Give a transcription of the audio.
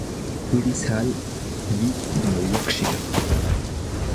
Willis Hall vit dans le Yorkshire.